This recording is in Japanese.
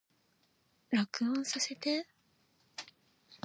録音させて